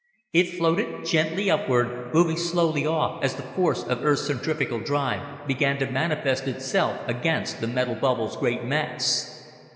It floated gently upward, moving slowly off as the force of Earth's centrifugal drive began to manifest itself against the metal bubble's great mass.